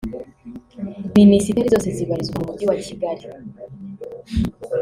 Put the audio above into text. Minisiteri zose zibarizwa mu Mujyi wa Kigali